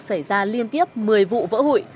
xảy ra liên tiếp một mươi vụ vỡ hụi